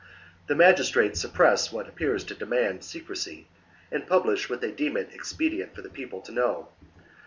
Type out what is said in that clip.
The magistrates suppress what appears to demand secrecy, and publish v^^hat they deem it expedient for the people to know.